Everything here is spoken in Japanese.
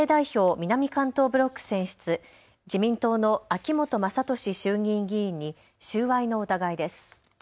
南関東ブロック選出、自民党の秋本真利衆議院議員に収賄の疑いです。